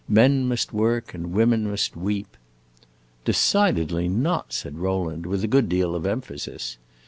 Men must work and women must weep!" "Decidedly not!" said Rowland, with a good deal of emphasis.